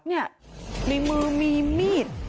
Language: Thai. เนี่ยในมือมีมีด